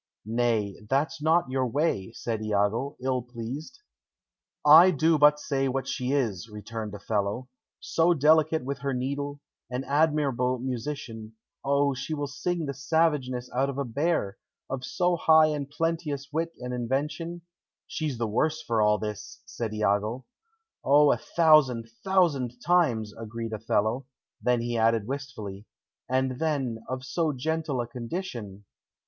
"Nay, that's not your way," said Iago, ill pleased. "I do but say what she is," returned Othello. "So delicate with her needle; an admirable musician O, she will sing the savageness out of a bear; of so high and plenteous wit and invention " "She's the worse for all this," said Iago. "O, a thousand, thousand times," agreed Othello; then he added wistfully: "And, then, of so gentle a condition!"